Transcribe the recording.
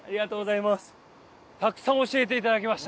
たくさん教えて頂きました。